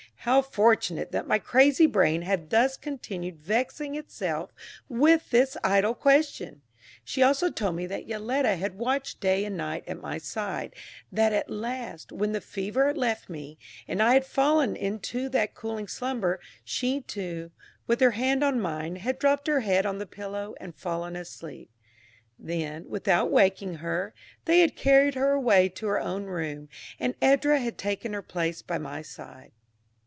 How fortunate that my crazy brain had thus continued vexing itself with this idle question! She also told me that Yoletta had watched day and night at my side, that at last, when the fever left me, and I had fallen into that cooling slumber, she too, with her hand on mine, had dropped her head on the pillow and fallen asleep. Then, without waking her, they had carried her away to her own room, and Edra had taken her place by my side.